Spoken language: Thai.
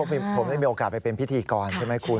ผมได้มีโอกาสไปเป็นพิธีกรใช่ไหมคุณ